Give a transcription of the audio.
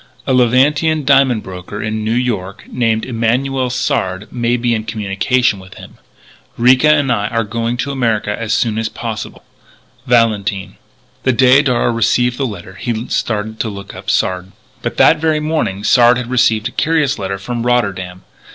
"A Levantine diamond broker in New York, named Emanuel Sard, may be in communication with him. "Ricca and I are going to America as soon as possible. "VALENTINE." The day Darragh received the letter he started to look up Sard. But that very morning Sard had received a curious letter from Rotterdam.